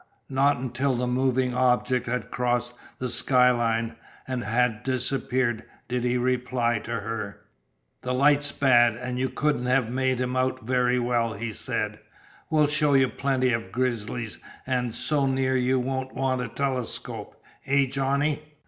Not until the moving object had crossed the skyline, and had disappeared, did he reply to her. "The light's bad, an' you couldn't have made him out very well," he said. "We'll show you plenty o' grizzlies, an' so near you won't want a telescope. Eh, Johnny?"